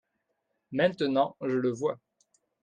Maintenant je le vois.